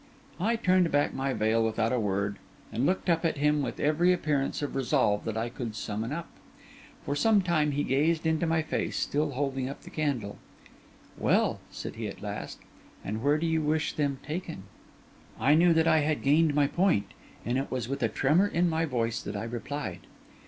I turned back my veil without a word, and looked at him with every appearance of resolve that I could summon up. For some time he gazed into my face, still holding up the candle. 'Well,' said he at last, 'and where do you wish them taken?' I knew that I had gained my point; and it was with a tremor in my voice that I replied.